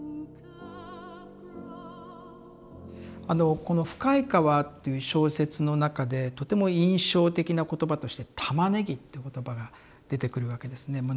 あのこの「深い河」っていう小説の中でとても印象的な言葉として「玉ねぎ」っていう言葉が出てくるわけですね